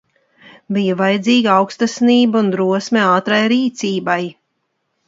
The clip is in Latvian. Bija vajadzīga aukstasinība un drosme ātrai rīcībai.